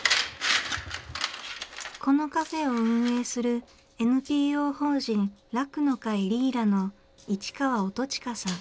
このカフェを運営するＮＰＯ法人「楽の会リーラ」の市川乙允さん。